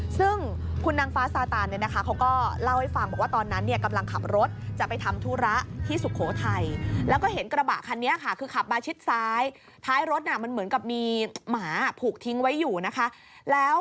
ซึ่งคุณนางฟ้าสาตานเนี่ยนะ